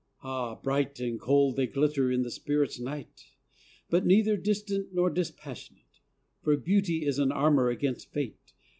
Ah, bright And cold they glitter in the spirit’s night! But neither distant nor dispassionate; For beauty is an armour against fate....